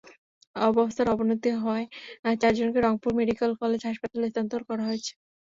অবস্থার অবনতি হওয়ায় চারজনকে রংপুর মেডিকেল কলেজ হাসপাতালে স্থানান্তর করা হয়েছে।